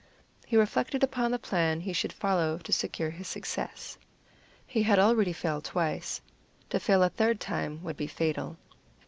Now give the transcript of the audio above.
He reflected upon the plan he should follow to secure success. He had already failed twice; to fail a third time would be fatal.